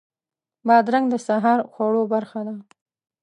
بادرنګ د سهار خوړو برخه ده.